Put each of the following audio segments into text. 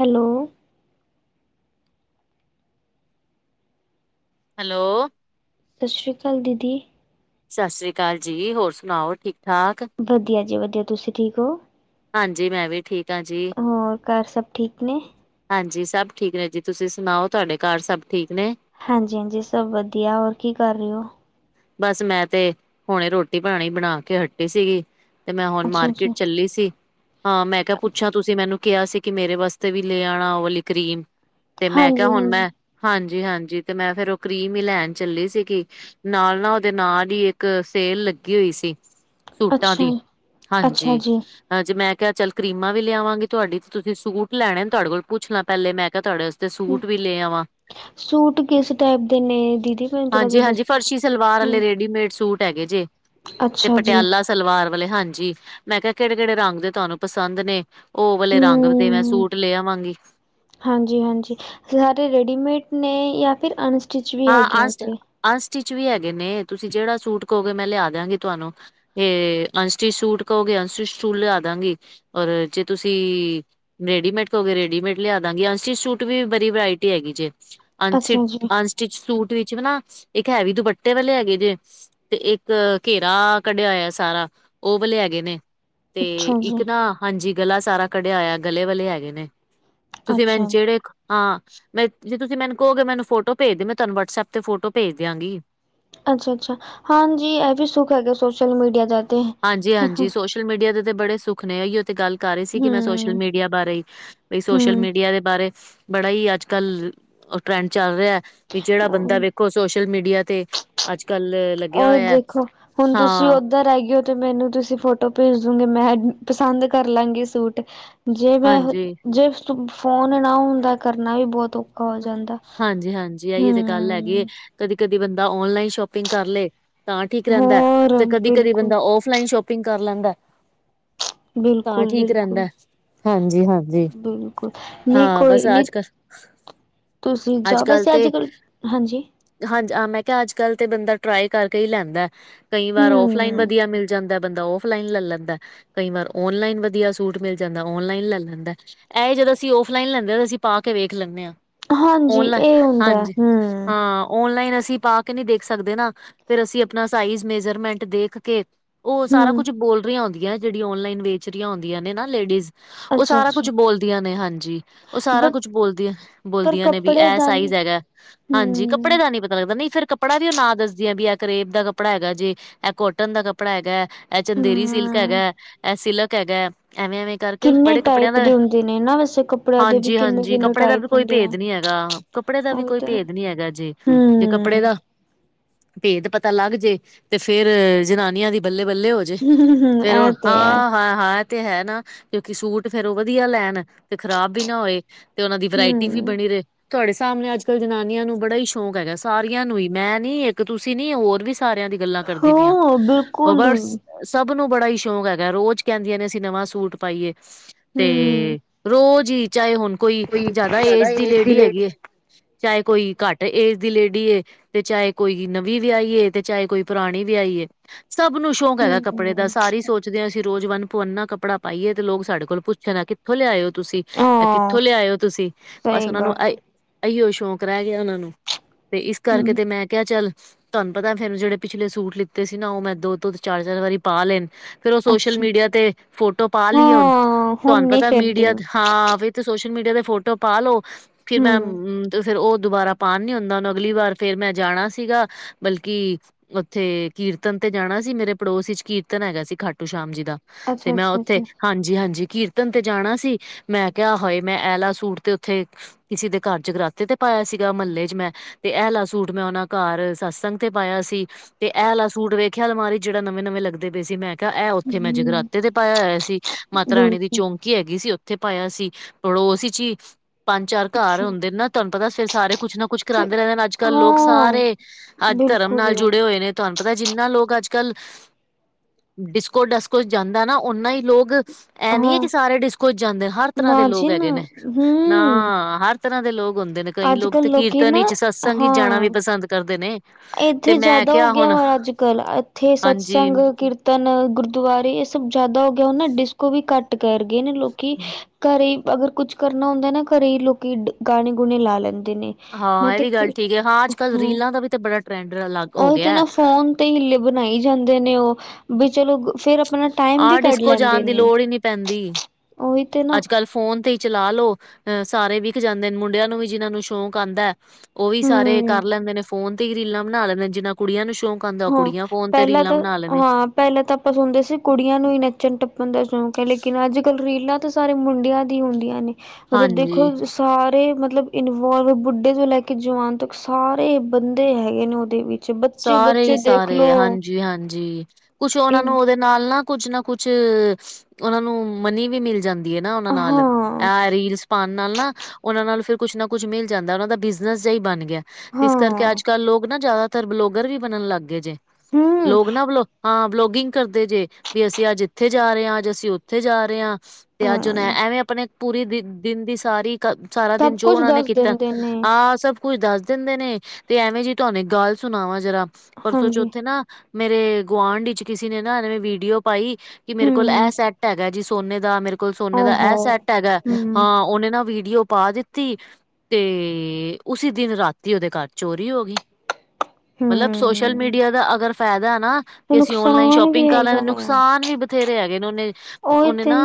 Hello. Hello. ਸਸ ਸ਼੍ਰੀ ਕਾਲ ਦੀਦੀ। ਸਸ ਸ੍ਰੀ ਕਾਲ ਜੀ। ਹੋਰ ਸੁਨਾਓ ਠੀਕ-ਠਾਕ? ਵਧੀਆ ਜੀ ਵਧੀਆ। ਤੁਸੀਂ ਠੀਕ ਓ? ਹਾਂਜੀ, ਮੈਂ ਵੀ ਠੀਕ ਆਂ ਜੀ। ਹੋਰ ਘਰ ਸਭ ਠੀਕ ਨੇ? ਹਾਂਜੀ ਸਭ ਠੀਕ ਨੇ ਜੀ। ਤੁਸੀਂ ਸੁਨਾਓ ਤੁਆਡੇ ਘਾਰ ਸਭ ਠੀਕ ਨੇ? ਹਾਂਜੀ-ਹਾਂਜੀ, ਸਭ ਵਧੀਆ। ਹੋਰ ਕੀ ਕਰ ਰੇ ਓ? ਬਸ ਮੈਂ ਤੇ ਹੁਨੇ ਰੋਟੀ ਪਾਨੀ ਬਨਾ ਕੇ ਹੱਟੀ ਸੀਗੀ ਤੇ ਮੈਂ ਹੁਨ ਅੱਛਾ ਅੱਛਾ ਮਾਰਕੀਟ ਚੱਲੀ ਸੀ। ਹਾਂ ਮੈਂ ਕਿਆ ਅੱਛਾ, ਪੁੱਛਾਂ ਤੁਸੀਂ ਮੈਨੂੰ ਕਿਆ ਸੀ ਕਿ ਮੇਰੇ ਵਾਸਤੇ ਵੀ ਲੇ ਆਣਾ ਓ ਵਾਲੀ ਕਰੀਮ ਤੇ ਮੈਂ ਕਿਆ ਹਾਂਜੀ ਹੁਨ ਹਾਂਜੀ ਮੈਂ ਹਾਂਜੀ-ਹਾਂਜੀ ਤੇ ਮੈਂ ਫੇਰ ਓ ਕਰੀਮ ਈ ਲੈਨ ਚੱਲੀ ਸੀਗੀ ਨਾਲ ਨਾ ਓਦੇ ਨਾਲ ਈ ਏੱਕ ਸੇਲ ਲੱਗੀ ਹੋਈ ਸੀ ਸੂਟਾਂ ਅੱਛਾ ਦੀ, ਅੱਛਾ ਹਾਂਜੀ। ਜੀ ਹਾਂ ਜੇ ਮੈਂ ਕਿਆ ਚੱਲ ਕਰੀਮਾਂ ਵੀ ਲੇ ਆਵਾਂਗੀ ਤੁਆਡੀ ਤੇ ਤੁਸੀਂ ਸੂਟ ਲੈਨੇ ਨ ਤੁਆਡੇ ਕੋਲ ਪੁੱਛ ਲਾਂ। ਪੈਲੇ ਮੈਂ ਕਿਆ ਤੁਆਡੇ ਵਾਸਤੇ ਹਮ, ਸੂਟ ਵੀ ਲੈ ਆ ਵਾਂ। ਸੂਟ ਕਿਸ ਟਾਈਪ ਦੇ ਨੇ ਦੀਦੀ, ਮੈਨੂੰ ਥੋੜਾ ਜਿਆ ਹਾਂਜੀ ਦੱ ਹਾਂਜੀ ਫਰਸ਼ੀ ਸਲਵਾਰ ਆਲੇ ਰੇਡੀਮੇਡ ਸੂਟ ਹੈਗੇ ਜੇ ਤੇ ਅੱਛਾ ਜੀ ਪਟਿਆਲਾ ਸਲਵਾਰ ਵਾਲੇ, ਹਾਂਜੀ। ਮੈਂ ਕਿਆ ਕੇੜੇ-ਕੇੜੇ ਰੰਗ ਦੇ ਤੁਆਨੂੰ ਪਸੰਦ ਨੇ। ਓ ਵਾਲੇ ਰੰਗ ਵ ਦੇ ਮੈਂ ਸੂਟ ਲੇ ਆਵਾਂਗੀ। ਹਾਂਜੀ-ਹਾਂਜੀ, ਸਾਰੇ ਰੈਡੀਮੇਡ ਨੇ ਯਾਂ ਫਿਰ ਅੰਨ ਸ ਹਾਂ। ਆਸਟ ਆਸਟਿੱਚ ਵੀ ਹੈਗੇ ਨੇ, ਤੁਸੀਂ ਜੜਾ ਸੂਟ ਕਓਗੇ ਮੈਂ ਲਿਆ ਦਿਆਂਗੀ ਤੁਆਨੂੰ। ਏ ਅਨਸਟਿਚ ਸੂਟ ਕਓਗੇ ਅਨਸਟਿਚ ਸੂਟ ਲਿਆ ਦਾਂਗੀ ਔਰ ਜੇ ਤੁਸੀਂ ਰੇਡੀਮੇਡ ਕਓਗੇ ਰੇਡੀਮੇਡ ਲਿਆ ਦਾਂਗੀ। ਅਨਸਟਿਚ ਸੂਟ ਵੀ ਬਰੀ ਵੈਰਾਇਟੀ ਹੈਗੀ ਜੇ। ਅਨਸਿਟ ਅੱਛਾ ਜੀ ਅਨਸਟਿਚ ਸੂਟ ਵਿੱਚ ਵੀ ਨਾ ਇੱਕ ਹੈਵੀ ਦੁਪੱਟੇ ਵਾਲੇ ਹੈਗੇ ਜੇ ਤੇ ਇੱਕ ਘੇਰਾ ਕੱਢਿਆ ਹੋਇਐ ਸਾਰਾ, ਓ ਵਾਲੇ ਹੈਗੇ ਨੇ ਤੇ ਅੱਛਾ ਜੀ ਇੱਕ ਨਾ, ਹਾਂਜੀ ਗਲਾ ਸਾਰਾ ਕੱਢਿਆ ਹੋਇਆ ਗਲੇ ਵਾਲੇ ਹੈਗੇ ਨੇ। ਤੁਸੀਂ ਮੈਨੰ ਅੱਛਾ ਜੇੜੇ ਹਾਂ, ਮੈਂ ਜੇ ਤੁਸੀਂ ਮੈਨੂੰ ਕਓਗੇ ਤੇ ਮੈਨੂੰ ਫੋਟੋ ਭੇਜ ਦੇ, ਮੈਂ ਤੁਆਨੂੰ ਵਟਸਐਪ ਤੇ ਫੋਟੋ ਭੇਜ ਦਿਆਂਗੀ। ਅੱਛਾ-ਅੱਛਾ। ਹਾਂਜੀ, ਐ ਵੀ ਸੁੱਖ ਹੈਗੈ ਸੋਸ਼ਲ ਮੀਡੀਆ ਦਾ। ਤੇ। ਹਾਂਜੀ-ਹਾਂਜੀ, ਸੋਸ਼ਲ ਮੀਡੀਆ ਦੇ ਤੇ ਬੜੇ ਸੁੱਖ ਨੇ। ਐਈਯੋ ਤੇ ਗੱਲ ਕਰ ਰੇ ਸੀ ਕਿ ਮੈਂ ਸੋਸ਼ਲ ਹੂੰ, ਮੀਡੀਆ ਬਾਰੇ ਈ। ਬਈ ਸੋਸ਼ਲ ਹੂੰ ਮੀਡੀਆ ਦੇ ਬਾਰੇ ਬੜਾ ਈ ਅੱਜ-ਕੱਲ ਓ ਟ੍ਰੈਂਡ ਚੱਲ ਰਿਐ ਵੀ ਜੜਾ ਬੰਦਾ ਵੇਖੋ ਸੋਸ਼ਲ ਮੀਡੀਆ ਤੇ ਅੱਜ-ਕੱਲ ਲੱਗਿਆ ਹੋਇਐ, ਹਾਂ। ਉਧਰ ਹੈਗੇ ਓ ਤੇ ਮੈਨੂੰ ਤੁਸੀਂ ਫੋਟੋ ਭੇਜ ਦੋਂਗੇ ਮੈਂ ਅ ਪਸੰਦ ਕਰ ਲਾਂਗੀ ਸੂਟ। ਜੇ ਮੈਂ ਹ, ਹਾਂਜੀ, ਜੇ ਸੁ ਫੋਨ ਨਾ ਹੁੰਦਾ ਕਰਨਾ ਵੀ ਬੋਤ ਔਖਾ ਹੋ ਜਾਂ ਹਾਂਜੀ-ਹਾਂਜੀ, ਐਈਯੋ ਤੇ ਗੱਲ ਹੈਗੀ ਏ। ਕਦੀ-ਕਦੀ ਬੰਦਾ ਓਨਲਾਈਨ ਸ਼ੋਪਿੰਗ ਕਰ ਲੇ ਤਾਂ ਠੀਕ ਰੈਂਦੈ ਹੋਰ ਤੇ ਕਦੀ-ਕਦੀ ਬਿਲਕੁਲ, ਬੰਦਾ ਓਫਲਾਈਨ ਸ਼ੋ ਪਿੰਗ ਕਰ ਲੈਂਦੈ ਤਾਂ ਬਿਲਕੁਲ, ਠੀਕ ਬਿਲਕੁਲ। ਰੈਂਦੈ। ਹਾਂਜੀ-ਹਾਂਜੀ, ਬਿਲਕੁਲ, ਨਹੀਂ ਹਾਂ ਬਸ ਕੋਈ ਨੀ ਆਜ ਕਰ ਤੁਸੀਂ ਜੋਬ ਵੈਸੇ ਅੱਜ-ਕੱਲ? ਹਾਂਜੀ। ਹਾਂਜ, ਅ ਮੈਂ ਕਿਆ ਅੱਜ-ਕੱਲ ਤੇ ਬੰਦਾ ਟ੍ਰਾਏ ਕਰ ਕੇ ਹੀ ਲੈਂਦੈ। ਕਈਂ ਵਾਰ ਓਫਲਾਈਨ ਹੂੰ। ਵਧੀਆ ਮਿਲ ਜਾਂਦੈ ਬੰਦਾ ਓਫਲਾਇਨ ਲੈਲ ਲੈਂਦੈ। ਕਈ ਵਾਰ ਓਨਲਾਈਨ ਵਧੀਆ ਸੂਟ ਮਿਲ ਜਾਂਦਾ ਓਨਲਾਈਨ ਲੈਲ ਲੈਂਦੈ। ਐ ਜਦੋਂ ਅਸੀਂ ਓਫਲਾਈਨ ਲੈਂਦੇ ਆ ਤੇ ਅਸੀ ਪਾ ਕੇ ਵੇਖ ਲੈਂਨੇ ਆਂ। ਹਾਂਜੀ ਓਨਲਾ, ਇਹ ਹੁੰਦਾ ਹੈ ਹਾਂਜੀ, ਹੂੰ ਹਾਂ ਓਨਲਾਈਨ ਅਸੀਂ ਪਾਕੇ ਨਹੀਂ ਦੇਖ ਸਕਦੇ ਨਾ, ਫਿਰ ਅਸੀਂ ਆਪਣਾ ਸਾਈਜ਼ ਮੇਜਰਮੇਂਟ ਦੇਖਕੇ ਉਹ ਸਾਰਾ ਹੂੰ ਕੁਝ ਬੋਲ ਰਹੀ ਹੋਂਦੀਆ, ਜਿਹੜੀ ਓਨਲਾਈਨ ਵੇਚ ਰਹੀਆਂ ਹੁੰਦੀਆਂ ਨੇ ਨਾ ਲੇਡੀਜ਼। ਉਹ ਅੱਛਾ ਸਾਰਾ ਕੁਝ ਅੱਛਾ ਬੋਲਦੀਆਂ ਨੇ ਹਾਂਜੀ, ਉਹ ਸਾਰਾ ਬਟ ਕੁਝ ਬੋਲਦੀ ਆ, ਬੋਲ ਪਰ ਨੇ ਵੀ ਕੱਪੜੇ ਐ ਦਾ ਸਾਈਜ਼ ਨੀ ਹੈਗਾ, ਹਾਂਜੀ, ਕੱਪੜੇ ਹੂੰ ਦਾ ਨਹੀਂ ਪਤਾ ਲੱਗਦਾ ਨਹੀਂ ਫਿਰ ਕਪੜਾ ਨੀ ਓ ਨਾਂ ਦੱਸਦੀਆ, ਵੀ ਐ ਕਰੇਬ ਦਾ ਕੱਪੜਾ ਹੈਗਾ ਜੇ, ਐ ਕੌਟਨ ਦਾ ਕੱਪੜਾ ਹੈਗਾ। ਐ ਚੰਦੇਰੀ ਸਿਲਕ ਹਾਂ ਹੈਗਾ, ਐ ਸਿਲਕ ਹੈਗਾ, ਐਵੇਂ-ਐਵੇਂ ਕਰਕੇ ਕਿੰਨੇ ਬੜੇ ਕੱਪੜਿਆਂ ਟਾਈਪ ਦਾ, ਦੇ ਹੁੰਦੇ ਨੇ ਨਾ ਵੈਸੇ ਕੱਪੜਿਆਂ ਦੇ ਵੀ ਕਿੰਨੇ ਹਾਂਜੀ-ਹਾਂਜੀ, ਕਿੰਨੇ ਕੱਪੜੇ ਦਾ ਵੀ ਟਾਈਪ ਕੋਈ ਹੁੰਦੇ ਆ ਭੇਦ ਨਹੀਂ ਹੈਗਾ, ਕੱਪੜੇ ਦਾ ਵੀ ਉਹੀ ਕੋਈ ਤਾਂ ਭੇਦ ਨਹੀਂ ਹੈਗਾ ਜੇ, ਜੇ ਹੂੰ ਕੱਪੜੇ ਦਾ ਭੇਦ ਪਤਾ ਲੱਗਜੇ, ਤੇ ਫਿਰ ਜਨਾਨੀਆਂ ਦੀ ਬੱਲੇ-ਬੱਲੇ ਜੇ ਹੂੰ ਫਿਰ ਇਹ ਹੁਣ ਤੇ ਹੈ ਹਾਂ-ਹਾ-ਹਾ ਤੇ ਹੈ ਨਾ, ਕਿਉਂਕਿ ਸੂਟ ਫਿਰ ਵਧੀਆ ਲੈਣ, ਤੇ ਖਰਾਬ ਵੀ ਨਾ ਹੋਏ ਤੇ ਉਹਨਾਂ ਦੀ ਵਰਾ ਟੀ ਵੀ ਹੂੰ ਬਣੀ ਰਹੇ। ਤੁਵਾਡੇ ਸਾਹਮਣੇ ਅੱਜ-ਕੱਲ ਜਨਾਨੀਆਂ ਨੂੰ ਬੜਾ ਈ ਸ਼ੌਂਕ ਹੈਗਾ, ਸਾਰੀਆਂ ਨੂੰ ਈ, ਮੈਂ ਨਹੀਂ, ਇੱਕ ਤੁਸੀਂ ਨਹੀਂ ਹੋਰ ਵੀ ਸਾਰਿਆਂ ਦੀ ਗੱਲਾਂ ਕਰਦੀ ਪੀਆਂ, ਹਾਂ ਉਹ ਬਿਲਕੁਲ ਬਸ ਸਭ ਨੂੰ ਬੜਾ ਈ ਸ਼ੌਂਕ ਹੈਗਾ, ਰੋਜ਼ ਕਹਿੰਦੀਆਂ ਨੇ ਅਸੀਂ ਨਵਾਂ ਸੂਟ ਪਾਈਏ। ਹੂੰ ਤੇ, ਰੋਜ਼ ਈ ਚਾਹੇ ਹੁਣ ਕੋਈ ਜਿਆਦਾ ਏਜ ਦੀ ਲੇਡੀ ਹੈਗੀਏ ਚਾਹੇ ਕੋਈ ਘੱਟ ਏਜ ਦੀ ਲੇਡੀ ਏ। ਤੇ ਚਾਹੇ ਕੋਈ ਨਵੀ ਵਿਆਈਏ, ਤੇ ਚਾਹੇ ਕੋਈ ਪੁਰਾਣੀ ਵਿਆਈ ਏ। ਸਭ ਨੂੰ ਸ਼ੌਂਕ ਹੈਗਾ ਕੱਪੜੇ ਦਾ, ਹੂੰ ਸਾਰੀ ਸੋਚ ਚਦੇ ਆਂ, ਅਸੀਂ ਰੋਜ਼ ਵਨ ਤੋਂ ਪਵੰਨਾ ਕੱਪੜਾ ਪਾਈਏ ਤੇ ਲੋਕ ਸਾਡੇ ਕੋਲ ਪੁੱਛਣ ਆ ਥੋ ਲਿਆਏ ਓ ਤੁਸੀਂ, ਐ ਹਾਂ ਕਿੱਥੋਂ ਲਿਆਏ ਓ ਤੁਸੀਂ, ਬਸ ਸਹੀ ਉਹਨਾਂ ਨੂੰ ਗੱਲ ਹੈ ਆਈ ਏਈਓ ਸ਼ੌਂਕ ਰਹਿ ਗਿਆ ਉਹਨਾਂ ਨੂੰ, ਤੇ ਇਸ ਕਰਕੇ ਹੂੰ ਤੇ ਮੈਂ ਕਿਹਾ ਚੱਲ ਤੁਹਾਨੂੰ ਪਤਾ, ਫਿਰ ਜਿਹੜੇ ਪਿਛਲੇ ਸੂਟ ਲਿਤੇ ਸੀ ਨਾ ਉਹ ਮੈਂ ਦੋ-ਦੋ ਤੋਂ ਚਾਰ-ਚਾਰ ਵਾਰੀ ਪਾਲੇ ਨੇ। ਫਿਰ ਉਹ ਸੋਸ਼ਲ ਅੱਛਾ ਮੀਡੀਆ ਤੇ ਫੋਟੋ ਪਾ ਲੀਏ ਹੁਣ, ਹਾਂ ਹੁਣ ਤੁਵਾਨੂੰ ਨੀ ਪਤਾ ਫਿਰ ਮੀਡੀਆ ਦਿਲ ਤੇ ਹਾਂ, ਫਿਰ ਤੇ ਸੋਸ਼ਲ ਮੀਡੀਆ ਤੇ ਫੋਟੋ ਪਾਲੋ, ਫਿਰ ਹੂੰ ਮੈਂ ਫਿਰ ਉਹ ਦੁਬਾਰਾ ਪਾਨ ਨਹੀਂ ਹੁੰਦਾ, ਹੁਣ ਅਗਲੀ ਵਾਰ ਫਿਰ ਮੈਂ ਜਾਣਾ ਸੀਗਾ, ਬਲਕਿ ਉਥੇ ਕੀਰਤਨ ਤੇ ਜਾਣਾ ਸੀ, ਮੇਰੇ ਪੜੋਸ ਇਚ ਕੀਰਤਨ ਹੈਗਾ ਸੀ ਖਾਟੂ ਸ਼ਾਮ ਜੀ ਦਾ। ਤੇ ਅੱਛਾ ਮੈਂ ਅੱਛਾ ਉੱਥੇ, ਅੱਛਾ ਹਾਂਜੀ-ਹਾਂਜੀ, ਕੀਰਤਨ ਤੇ ਜਾਣਾ ਸੀ ਮੈਂ ਕਿਹਾ ਹਾਏ, ਮੈਂ ਐਲਾ ਸੂਟ ਤੇ ਉੱਥੇ, ਕਿਸੇ ਦੇ ਘਰ ਜਗਰਾਤੇ ਤੇ ਪਾਇਆ ਸੀਗਾ, ਮਹੱਲੇ'ਚ ਮੈਂ ਤੇ ਐ ਲਾ ਸੂਟ ਮੈਂ ਉਹਨਾਂ ਘਰ ਸਤਸੰਗ ਤੇ ਪਾਇਆ ਸੀ। ਤੇ ਐਲਾ ਸੂਟ ਵੇਖਿਆ ਅਲਮਾਰੀ ਜਿਹੜਾ ਨਵੇਂ-ਨਵੇਂ ਲੱਗਦੇ ਪਏ ਸੀ, ਮੈਂ ਤਾਂ ਐ ਉਥੇ ਮੈਂ ਹੂੰ ਜਗਰਾਤੇ ਤੇ ਪਾਇਆ ਹੋਇਆ ਸੀ, ਮਾਤਾ ਰਾਣੀ ਦੀ ਬਿਲਕੁਲ ਚੌਂਕ ਕੀ ਹੈਗੀ ਸੀ ਉੱਥੇ ਪਾਇਆ ਸੀ, ਪੜੋਸ'ਚ ਈ ਪੰਜ-ਚਾਰ ਘਰ ਅੱਛਾ ਹੁੰਦੇ ਨੇ ਨਾ, ਤੁਹਾਨੂੰ ਪਤਾ ਸਾਰੇ ਕੁਝ ਨਾ ਕੁਝ ਫਿਰ ਕਰਾਂਦੇ ਰਹਿੰਦੇ, ਅੱਜ-ਕੱਲ ਲੋਕ ਹਾਂ ਸਾਰੇ ਅੱਜ ਧਰਮ ਨਾਲ ਬਿਲਕੁਲ ਜੁੜੇ ਹੋਏ ਨੇ, ਤੁਹਾਨੂੰ ਪਤਾ ਜਿੰਨਾਂ ਲੋਕ ਅੱਜ-ਕੱਲ ਡਿਸਕੋ-ਡਾਸਕੋ'ਚ ਜਾਂਦਾ ਨਾ, ਓਨਾ ਈ ਲੋਕ ਐ ਨਹੀਂ ਏ ਹਾਂ ਕਿ ਸਾਰੇ ਡਿਸਕੋ'ਚ ਜਾਂਦੇ, ਹਰ ਤਰ੍ਹਾਂ ਦੇ ਨਾ ਲੋਗ ਜੀ ਨਾ ਹੈਗੇ ਨੇ। ਹੂੰ ਨਾ, ਹਰ ਤਰ੍ਹਾਂ ਦੇ ਲੋਕ ਹੁੰਦੇ ਨੇ, ਕਈ ਅੱਜ ਲੋਕ ਤੇ ਕੱਲ ਲੋਕੀ ਨਾ ਕੀਰਤਨੀ'ਚ ਸਤਸੰਗ ਈਚ ਜਾਣਾ ਹਾਂ ਪਸੰਦ ਕਰਦੇ ਨੇ, ਤੇ ਮੈਂ ਕਿਹਾ ਹੁਣ ਕਲ, ਇੱਥੇ ਹਾਂਜੀ ਸਤਸੰਗ ਕਿਰ ਤਨ, ਗੁਰਦੁਆਰੇ ਇਹ ਸਭ ਜ਼ਿਆਦਾ ਹੋਗਿਆ, ਹੁਨ ਨਾਂ, ਡਿਸਕੋ ਵੀ ਘਟ ਕਰਗੇ ਨੇ ਲੋਕੀ। ਘਰੇ ਈ ਅਗਰ ਕੁੱਛ ਕਰਨਾ ਹੁੰਦੈ ਨਾ, ਘਰੇ ਈ ਲੋਕੀ ਗਾਣੇ-ਗੁਨੇ ਲਾ ਲੈਂਦੇ ਨੇ। ਹਾਂ, ਮੈਂ ਤੇ ਐਵੀ ਗਾੱਲ ਠੀਕ ਏ, ਹਾਂ ਅੱਜ-ਕਲ ਹਾਂ ਰੀਲਾਂ ਦਾ ਵੀ ਤੈ ਵੀ ਬੜਾ ਟਰੈਂਡ ਅਲਗ ਉਹੀ ਤੇ ਹੋਗਿਆ। ਨਾ ਫੋਨ ਤੇ ਹਿਲ ਬਨਾਈ ਜਾਂਦੇ ਨੇ ਓ, ਬੀ ਚਲੋ ਗੂ ਫੇਰ ਅਪ ਅਪਨਾ ਟਾਈਮ ਵੀ ਆਹ ਕੱਡ ਡਿਸਕੋ ਲੈਂਦੇ ਨੇ। [inaudible] ਤੇ ਨਾ ਅਜ-ਕਲ ਫੋਨ ਤੇ ਈ ਚਲਾ ਲੋ, ਅ ਸਾਰੇ ਵਿਕ ਜਾਂਦੇ ਨੇ, ਮੁੰਡੇਆਂ ਨੂੰ ਵੀ ਜਿਨਾਂ ਨੂੰ ਸ਼ੌਕ ਆਂਦੈ ਓ ਵੀ ਸਾਰੇ ਕਰ ਹੂੰ ਲੈਂਦੇ ਨੇ ਫੋਨ ਤੇ ਈ ਰੀਲਾਂ ਬਨਾ ਲੈਂਦੇ ਨੇ, ਜਿੰਨਾ ਕੁੜੀਆਂ ਨੂੰ ਸ਼ੌਕ ਆਉਂਦਾ ਉਹ ਹਾਂ, ਕੁੜੀਆਂ ਫੋਨ ਤੇ ਪੈਲਾਂ ਰੀਲਾਂ ਤਾਂ, ਬਣਾ ਲੈਂਦੇ ਹਾਂ ਪੈਲਾਂ ਤਾਂ ਅਪਾਂ ਸੁਨਦੇ ਸੀ ਕੁੜੀਆਂ ਨੂੰ ਈ ਨੱਚਨ-ਟੱਪਨ ਦਾ ਸ਼ੌਂਕ ਐ ਲੇਕਿਨ ਅਜ-ਕਲ ਰੀਲਾਂ ਤੇ ਸਾਰੇ ਮੁੰਡੇਆਂ ਦੀ ਹੁੰਦੀਆਂ ਨੇ, ਮਤਲਬ ਹਾਂਜੀ ਦੇਖੋ ਸਾਰੇ ਮਤਲਬ ਇਨਵੋਲਵ, ਬੁੱਡੇ ਤੋਂ ਲੈ ਕੇ ਜਵਾਨ ਤਕ ਸਾਰੇ ਬੰਦੇ ਹੈਗੇ ਨੇ ਓਦੇ ਵਿੱਚ। ਬੱਚੇ, ਬੱਚੇ, ਬਚ ਸਾਰੇ ਹੀ ਸਾਰੇ ਹਾਂਜੀ, ਹਾਂਜੀ ਕੁੱਛ ਓਨਾ ਨੂੰ ਓਦੇ ਨਾਲ ਨਾ ਕੁੱਛ ਨਾ ਕੁੱਛ ਓਨਾਂ ਨੂੰ ਮਨੀ ਵੀ ਮਿਲ ਜਾਂਦੀ ਏ ਨਾ ਓਨਾਂ ਨਾਲ, ਹਾਂ ਐ ਰੀਲਸ ਪਾਨ ਨਾਲ ਨਾ ਓਨਾਂ ਨਾਲ ਫਿਰ ਕੁੱਛ ਨਾ ਕੁੱਛ ਮਿਲ ਜਾਂਦਾ, ਓਨਾਂ ਦਾ ਬਿਜਨਸ ਜਾ ਈ ਬਨ ਗੇਐ। ਇਸ ਹਾਂ ਕਰਕੇ ਅਜ-ਕਲ ਲੋਕ ਨਾ ਜਾਦਾਤਰ ਵਲੋਗਰ ਵੀ ਬਨਨ ਲੱਗ ਗੇ ਜੇ, ਹੂੰ ਲੋਕ ਨਾ ਵਲੋ ਹਾਂ ਵਲੋਗਿੰਗ ਕਰਦੇ ਜੇ, ਵੀ ਅਸੀ ਆੱਜ ਇੱਥੇ ਜਾ ਰੇ ਆਂ, ਆੱਜ ਅਸੀ ਉਥੇ ਜਾ ਰੇ ਆਂ। ਤੇ ਅਜ ਹੋਨ ਐ, ਅ ਐਵੇਂ ਅਪਨੇ ਪੂਰੀ ਦਿ, ਦਿਨ ਦੀ ਸਾਰੀ ਸਾਰਾ ਸਭ ਦਿਨ ਜੋ ਕੁਛ ਓਨਾਂ ਨੇ ਦੱਸ ਕੀਤੈ, ਦਿੰਦੇ ਨੇ ਆ ਸਬ ਕੁੱਛ ਦਾੱਸ ਦੇਂਦੇ ਨੇ, ਤੇ ਐਵੇਂ ਜੀ ਤੂਆਨ ਏਕ ਗਲ ਸੁਨਾਵਾਂ ਜਰਾ, ਪਰਸੋਂ ਹਾਂਜੀ ਚੋਥੇ ਨਾ, ਮੇਰੇ ਗੁਆਂਡ ਵਿੱਚ ਕਿਸੀ ਨੇ ਨਾ ਐਂਵੇਂ ਵੀਡੀਓ ਪਾਈ ਕਿ ਮੇਰੇ ਕੋਲ ਐ ਹੂੰ ਸੈੱਟ ਹੈਗਾ ਜੀ ਸੋਨੇ ਦਾ, ਮੇਰੇ ਕੋ ਕੋਲ ਸੋਨੇ ਦਾ ਓਹੋ ਐ ਸੈੱਟ ਹੈਗੈ, ਹੂੰ ਹਾਂ ਓਨੇ ਨਾ ਵੀਡੀਓ ਪਾ ਦਿੱਤ ਤੀ, ਤੇ ਉਸੀ ਦਿਨ ਰਾਤੀ ਓਦੇ ਘਰ ਚੋਰੀ ਹੋਗੀ। ਮਤਲਬ ਸੋਸ਼ਲ ਹੂੰ ਮੀਡੀਆ ਦਾ ਅਗਰ ਫੈਦਾ ਐ ਨਾ ਤੇ ਕਿ ਅਸੀ ਔਨਲਾਈਨ ਨੁਕਸਾਨ ਵੀ ਸ਼ੋਪਿੰਗ ਕਰ ਲੈ, ਹੈਗਾ ਆ ਨੁਕਸਾਨ ਵੀ ਬਥੇਰੇ ਹੈਗੇ ਨੇ, ਓਨੇ, ਉਹੀ ਓਨੇ ਤੇ ਨਾ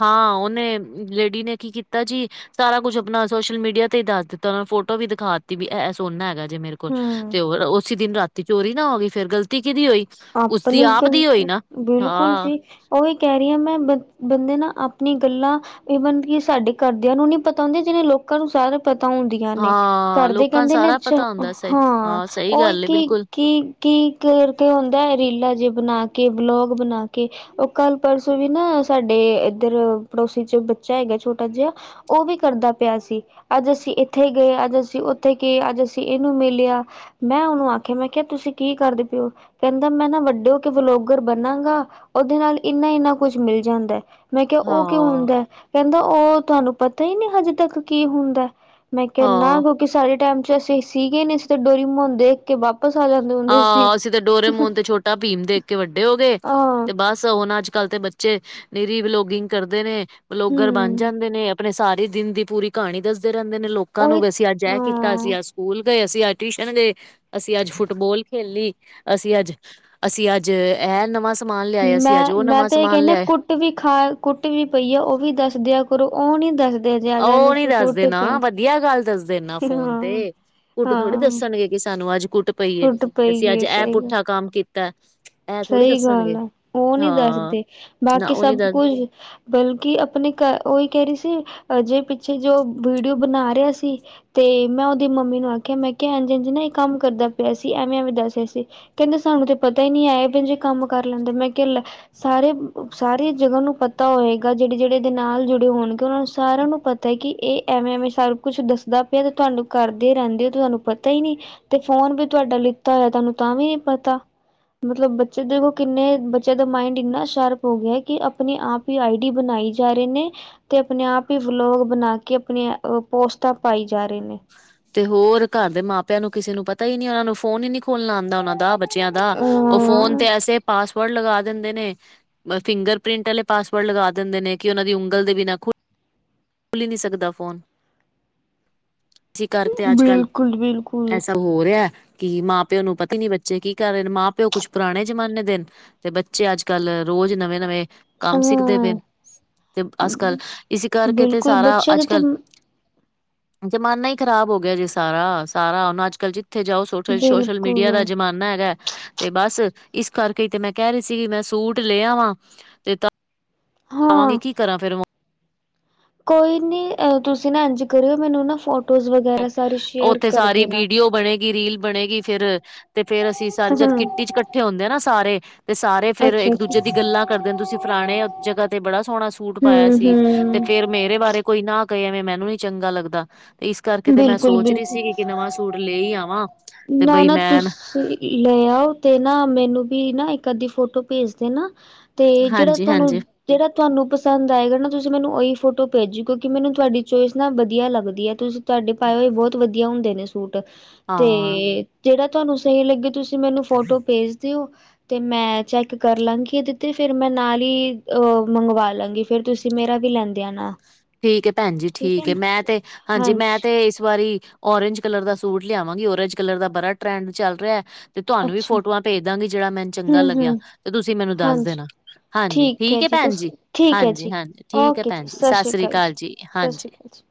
ਹਾਂ ਓਨੇ ਲੇਡੀ ਨੇ ਕੀ ਕੀਤਾ ਜੀ ਸਾਰਾ ਕੁੱਛ ਅਪਨਾ ਸੋਸ਼ਲ ਮੀਡੀਆ ਤੇ ਈ ਦੱਸ ਦਿੱਤਾ ਓਨਾ ਫੋਟੋ ਵੀ ਦਿਖਾ ਦਿੱਤੀ ਵੀ ਐ, ਐ ਸੋਨਾ ਹੈਗਾ ਜੀ ਮੇਰੇ ਕੋਲ। ਹੂੰ ਤੇ ਹੋਰ ਉਸੀ ਦਿਨ ਰਾਤੀ ਚੋਰੀ ਨਾ ਹੋ ਗੀ ਫੇਰ ਗਲਤੀ ਕਿਦੀ ਹੋਈ? ਉਸਦੀ ਅਪਨੀ ਆਪ ਦੀ ਹੋਈ ਗਲਤੀ, ਨਾ ਬਿਲਕੁਲ ਹਾਂ ਸੀ। ਓਈ ਕੈ ਰੀ ਆਂ ਮੈਂ ਬ, ਬੰਦੇ ਨਾ ਆਪਨੀ ਗੱਲਾਂ ਈਵਨ ਕਿ ਸਾਡੇ ਘਰਦੇਆਂ ਨੂੰ ਨੀ ਪਤਾ ਹੁੰਦੀ, ਜਿਨੀ ਲੋਕਾਂ ਨੂੰ ਸਾਰੇ ਪਤਾ ਹੁੰਦੀ ਆਂ ਨੇ ਹਾਂ ਘਾਰਦੇ ਲੋਕਾਂ ਨੂੰ ਕੈਂਦੇ ਨੇ ਸਾਰਾ ਅੱਛਾ, ਪਤਾ ਹੁੰਦਾ ਸਹੀ ਹਾਂ ਸਹੀ ਓਈ ਗੱਲ ਹੈ ਕੀ, ਬਿਲਕੁਲ ਕੀ ਕੀ ਕਰਕੇ ਹੁੰਦੈ, ਰੀਲਾਂ ਜੀਆ ਬਨਾ ਕੇ, ਵਲੋਗ ਬਨਾ ਕੇ। ਓ ਕੱਲ ਪਰਸੋਂ ਵੀ ਨਾ ਸਾਡੇ ਏਧਰ ਪੜੋਸੀ 'ਚ ਬੱਚਾ ਹੈਗਾ ਛੋਟਾ ਜੇਆ ਓ ਵੀ ਕਰਦਾ ਪੇਆ ਸੀ। ਅੱਜ ਅਸੀ ਇੱਥੇ ਗਏ, ਅੱਜ ਅਸੀ ਉਥੇ ਗਏ, ਅੱਜ ਅਸੀ ਇਨੂੰ ਮਿਲੇਆ ਮੈਂ ਓਨੂੰ ਆਖੇਆ ਮੈਂ ਕੇਆ ਤੁਸੀ ਕੀ ਕਰਦੇ ਪੇਓ? ਕੈਂਦਾ ਮੈਂ ਨਾ ਵੱਡੇ ਹੋ ਕੇ ਵਲੋਗਰ ਬਨਾਂਗਾ ਓਦੇ ਨਾਲ ਇੰਨਾ-ਇੰਨਾ ਕੁੱਛ ਮਿਲ ਜਾਂਦਾ। ਮੈਂ ਕੇਆ ਓ ਕਿਉਂ ਹਾਂ ਹੁੰਦਾ, ਕੈਂਦਾ ਓ ਤੁਆਨੂੰ ਪਤਾ ਈ ਨੀ ਹਜੇ ਤੱਕ ਕੀ ਹੁੰਦਾ ਮੈਂ ਕੇਆ ਨਾ, ਹਾਂ ਕਿਉਂਕਿ ਸਾਡੇ ਟੈਮ 'ਚ ਐ ਸੀ, ਸੀਗੇ ਨੀ, ਅਸੀ ਤੇ ਡੋਰੇਮੋਨ ਦੇਖ ਕੇ ਵਾਪਸ ਆ ਜਾਂਦੇ ਹੁੰਦੇ ਸੀ। ਤੇ ਡੋਰੇ ਮੋਨ ਤੇ ਛੋਟਾ ਭੀਮ ਦੇਖ ਕੇ ਵੱਡੇ ਹੋ ਗਏ ਆਹ ਤੇ ਬੱਸ ਓਨਾਂ 'ਚ ਕਾੱਲ ਤੇ ਬੱਚੇ ਨਿਰੀ ਵਲੋਗਿੰਗ ਕਰਦੇ ਨੇ ਵਲੋਗਰ ਬਨ ਹੂੰ ਜਾਂਦੇ ਨੇ, ਅਪਨੇ ਸਾਰੇ ਦਿਨ ਦੀ ਪੂਰੀ ਕਹਾਣੀ ਦੱਸਦੇ ਰੈਂਦੇ ਨੇ ਲੋਕ ਕਾਂ ਨੂੰ ਉਹੀ ਵੀ ਅਸੀ ਆੱਜ ਐ ਕੀਤਾ, ਅਸੀ ਹਾਂ ਆੱਜ ਸੂਕੂਲ ਗਏ, ਅਸੀ ਆੱਜ ਟਵੀਸ਼ਨ ਗਏ, ਅਸੀ ਆੱਜ ਫੁੱਟ ਫੁੱਟਬੋਲ ਖੇਲੀ, ਅਸੀ ਆੱਜ, ਅਸੀ ਆੱਜ ਐ ਨਵਾਂ ਸ ਸਮਾਨ ਲੇਆਏ, ਅਸੀ ਮੈਂ ਆੱਜ ਓ ਮੈਂ ਨਵਾਂ ਤਾਂ ਇਹ ਸਮਾਨ ਕਹਿੰਦੀ ਲੇਆਏ ਕੁੱਟ ਵੀ ਖਾ ਕੁੱਟ ਵੀ ਪਈ ਐ, ਓ ਵੀ ਦੱਸ ਦੇਆਂ ਕਰੋ, ਓ ਨੀ ਦੱਸਦ ਓ ਨੀ ਦੱਸਦੇ ਨਾ ਵਦੀਆ ਗੱਲ ਦੱਸਦੇ ਨਾ ਫੋਨ ਹਾਂ। ਤੇ, ਕੁੱਟ ਥੋੜੀ ਹਾਂ ਦੱਸਨਗੇ। ਕੀ ਸਾਨੂੰ ਅੱਜ ਕੁੱਟ ਪਈ ਏ, ਕੁੱਟ ਤੇ ਪਈ ਅਸੀ ਅੱਜ ਐ ਪੁੱਠਾ ਕੰਮ ਕੀਤੈ। ਸਈ ਗੱਲ ਐ ਓ ਨੀ ਦੱਸਦੇ ਨਾ ਬਾਕੀ ਉਹ ਨੀ ਸਬ ਦਰ ਕੁਝ ਬਲਕਿ ਆਪਨੇ ਕ ਓਈ ਕੈ ਰਈ ਸੀ ਅਜੇ ਪਿੱਛੇ ਜੋ ਵੀਡੀਓ ਬਨਾ ਰਿਆ ਸੀ ਤੇ ਮੈਂ ਓਦੀ ਮੰਮੀ ਨੂੰ ਆਖੇਆ ਮੈਂ ਕਿਆ ਹਾਂਜੀ-ਹਾਂਜੀ ਨਾ ਏ ਕੰਮ ਕਰਦਾ ਪਿਆ ਸੀ ਐਵੇਂ-ਐਵੇਂ ਦੱਸੇਆ ਸੀ ਕੈਂਦੇ ਸਾਨੂੰ ਤੇ ਪਤਾ ਈ ਨਈ ਏ ਐੇਹੇ ਜੇ ਕੰਮ ਕਰ ਲੈਂਦੈ ਮੈਂ ਕਿਆ ਲੈ ਸਾਰੇ-ਸਾਰੇ ਜਗਾ ਓਨੂੰ ਪਤਾ ਹੋਏਗਾ ਜੇੜੇ-ਜੇੜੇ ਏਦੇ ਨਾਲ ਜੁੜੇ ਹੋਨਗੇ ਓਨਾਂ ਨੂੰ ਸਾਰੇਆਂ ਨੂੰ ਪਤ ਪਤਾ ਕੀ ਏ ਐਵੇਂ-ਐਵੇਂ ਸਾਰਾ ਕੁਛ ਦੱਸਦਾ ਪਿਆ ਤੇ ਤੁਆਨੂੰ ਕਰਦੇ ਰੈਂਦੇ ਓ ਤੇ ਤੁਆਨੂੰ ਪਤਾ ਈ ਨਈਂ। ਤੇ ਫੋਨ ਵੀ ਤੁਆਡਾ ਲਿੱਤਾ ਹੋਏਆ ਤੁਆਨੂੰ ਤਾਂ ਵੀ ਨੀ ਪਤਾ, ਮਤਲਬ ਬੱ ਫਿਰ ਦੇਖੋ ਕਿੰਨੇ ਬੱਚੇਆਂ ਦਾ ਮਾਇੰਡ ਇੰਨਾ ਸ਼ਾਰਪ ਹੋ ਗੇਆ ਕੇ ਆਪਨੀ ਆਪ ਈ ਆਈ ਡੀ ਬਨਾਈ ਜਾ ਰਏ ਨੇ ਤੇ ਅਪਨੇ ਆਪ ਈ ਬਲੋਗ ਬਨਾ ਕੇ ਆਪਨੇ ਅ ਪੋਸਟਾਂ ਪਾਈ ਜਾ ਰਏ ਨੇ। ਤੇ ਹੋਰ ਘਰ ਦੇ ਮਾਪਿਆਂ ਨੂੰ ਕਿਸੇ ਨੂੰ ਪਤਾ ਈ ਨੀ ਓਨਾਂ ਨੂੰ ਫੋਨ ਈ ਨੀ ਖੋਲਨਾ ਆਂਦਾ ਓਨਾਂ ਨੂੰ ਦਾ ਬੱਚੇਆਂ ਦਾ ਓ ਫੋਨ ਹਾਂ ਤੇ ਐਸੇ ਪਾਸ ਪਾਸਵਰਡ ਲਗਾ ਦਿੰਦੇ ਨੇ, ਫਿੰਗਰ ਪ੍ਰਿੰਟ ਆਲੇ ਪਾਸਵਰਡ ਲਗਾ ਦਿੰਦੇ ਨੇ ਕੇ ਓਨਾਂ ਦੀ ਉਂਗਲ ਦੇ ਬਿਨਾਂ ਖੁ ਖੁੱਲ ਈ ਨਈ ਸਕਦਾ ਫੋਨ, ਇਸੀ ਕਾਰਨ ਤੇ ਅੱਜ-ਕੱਲ ਬਿਲਕੁਲ ਬਿਲਕੁਲ ਐਸਾ ਹੋ ਰਿਆ ਕੀ ਮਾਂ-ਪਿਓ ਨੂੰ ਪਤਾ ਈ ਨੀ ਬੱਚੇ ਕੀ ਕਰ ਰਏ ਨੇ ਮਾਂ-ਪਿਓ ਕੁਛ ਪੁਰਾਨੇ ਜਮਾਨੇ ਦੇ ਤੇ ਬੱਚੇ ਅੱਜ-ਕੱਲ ਰੋਜ ਨਵੇਂ-ਨਵੇਂ ਕੰਮ ਸਿੱਖਦੇ ਪਏ, ਹਾਂ ਤੇ ਅੱਜ-ਕੱਲ ਇਸੀ ਕਰਕੇ ਤੇ ਬਿਲਕੁਲ ਸਾਰਾ ਬੱਚਿਆਂ ਦੇ ਤੇ ਅੱਜ-ਕੱਲ ਜਮਾਨਾ ਈ ਖਰਾਬ ਹੋ ਗੇਆ ਜੇ ਸਾਰਾ-ਸਾਰਾ ਹੁਨ ਅੱਜ-ਕੱਲ ਜਿੱਥੇ ਜਾਓ ਸੋ ਸੋਸ਼ਲ ਮੀਡੀਆ ਦਾ ਬਿਲਕੁਲ ਜਮਾਨਾ ਨਾ ਹੈਗਾ ਏ ਤੇ ਬਸ ਇਸ ਕਰਕੇ ਈ ਤੇ ਮੈਂ ਕੈ ਰਈ ਸੀ ਕੇ ਮੈਂ ਸੂਟ ਲੇ ਆਵਾਂ ਕਵਾਂਗੀ ਹਾਂ ਕੀ ਕਰਾਂ ਫੇਰ ਹੁ ਕੋਈ ਨੀ ਅ ਤੁਸੀਂ ਨਾ ਇੰਜ ਕਰੇਓ ਮੈਨੂੰ ਨਾ ਫੋ ਓਥੇ ਸਾਰੀ ਵੀਡੀਓ ਬਨੇ ਗੀ ਰੀਲ ਬਨੇਗੀ ਫੇਰ ਤੇ ਫੇਰ ਅਸੀਂ ਸਾਰੇ ਜਦ ਕਿੱਟੀ ਚ ਕੱਠੇ ਹੁੰਦੇ ਆ ਨਾ ਸਾਰੇ ਤੇ ਸਾ ਤੇ ਫੇਰ ਅੱਛਾ ਅੱਛਾ ਇੱਕ ਦੂਜੇ ਦੀ ਗੱਲਾਂ ਕਰਦੇ ਆਂ ਤੁਸੀਂ ਫਲਾਨੇ ਜਗਾ ਤੇ ਬੜਾ ਸੋਨਾ ਸੂਟ ਹੂੰ ਪਾਏਆ ਸੀ ਤੇ ਫੇਰ ਹੂੰ ਮੇਰੇ ਬਾਰੇ ਕੋਈ ਨਾ ਕਏ ਐਵੇਂ ਮੈਨੂੰ ਨੀ ਚੰਗਾ ਲੱਗਦਾ, ਤੇ ਇਸ ਕਰਕੇ ਤੇ ਮੈਂ ਬਿਲਕੁਲ ਸੋਚ ਰਈ ਸੀਗੀ ਕੇ ਨਵਾਂ ਸੂਟ ਲੇ ਈ ਆਵਾਂ। ਤੇ ਬਈ ਨਾ-ਨਾ ਮੈਂ ਤੁਸੀਂ ਲਏ ਆਓ ਤੇ ਨਾ ਮੈਨੂੰ ਵੀ ਨਾ ਇੱਕ ਅੱਦੀ ਫੋਟੋ ਭੇਜ ਦੇਨਾ। ਤੇ ਜੇੜਾ ਤੁਆਨੂੰ ਹਾਂਜੀ-ਹਾਂਜੀ। ਜੇੜਾ ਤੁਆਨੂੰ ਪਸੰਦ ਆਏਗਾ ਨਾ ਤੁਸੀਂ ਮੈਨੂੰ ਓਈ ਫੋਟੋ ਭੇਜੋ ਕਿਓਂਕਿ ਮੈਨੂੰ ਤੁਆਡੀ ਚੋਇਸ ਨਾ ਵਦੀਆ ਲੱਗਦੀ ਐ ਤੁਸ ਤੁਆਡੇ ਪਾਏ ਹੋਏ ਬੋਤ ਵਦੀਆ ਹੁੰਦੇ ਨੇ ਸੂਟ, ਤੇ ਹਾਂ, ਜੇੜਾ ਤੁਆਨੂੰ ਸਈ ਲੱਗੇ ਤੁਸੀਂ ਮੈਨੂੰ ਫੋਟੋ ਭੇਜ ਦੇਓ। ਤੇ ਮੈਂ ਚੈੱਕ ਕਰਲਾਂਗੀ ਏਦੇ ਤੇ ਫੇਰ ਮੈਂ ਨਾਲ ਈ ਅ ਮੰਗਵਾਲਾਂਗੀ। ਫੇਰ ਤੁਸੀਂ ਮੇਰਾ ਵੀ ਲੈਂਦੇ ਆਨਾ ਠੀਕ ਏ ਭੈਨ ਜੀ ਠੀਕ ਏ ਮੈਂ ਤੇ, ਹਾਂਜੀ ਮੈਂ ਤੇ ਇਸ ਵਾਰੀ ਓਰੇਂਜ ਕਲਰ ਦਾ ਸੂਟ ਲਿਆਵਾਂਗੀ ਓਰੇਂਜ ਕਲਰ ਦਾ ਬਰਾ ਟਰੈਂਡ ਚੱਲ ਰਿਐ। ਤੇ ਤੁਆਨੂੰ ਵੀ ਅੱਛਾ ਫੋਟੋਆਂ ਭੇਜਦਾਂਗੀ ਜੇੜਾ ਮੈਨੂੰ ਚੰਗਾ ਹੂੰ ਲੱਗੇਆ ਹੂੰ ਤੇ ਤੁਸੀਂ ਮੈਨੂੰ ਦੱਸ ਹਾਂਜੀ ਦੇਨਾ। ਹਾਂਜੀ ਹੈ ਠੀਕ ਏ ਭੈਨ ਜੀ, ਤੁਸੀਂ ਠੀਕ ਹੈ ਜੀ ਹਾਂਜੀ-ਹਾਂਜੀ, ਠੀਕ ਐ ਓਕੇ ਭੈਨ ਜੀ ਸਤਿ ਸ਼੍ਰੀ ਸਾਸਰੀ ਅਕਾਲ ਕਾਲ ਜੀ, ਸਤਿ ਸ਼੍ਰੀ ਹਾਂਜੀ। ਅਕਾਲ ਜੀ